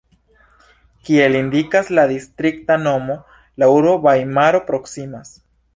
Kiel indikas la distrikta nomo, la urbo Vajmaro proksimas.